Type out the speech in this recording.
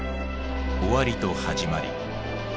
終わりと始まり。